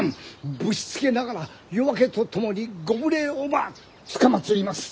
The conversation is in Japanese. ぶしつけながら夜明けとともにご無礼をばつかまつります！